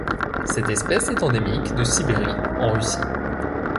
Cette espèce est endémique de Sibérie en Russie.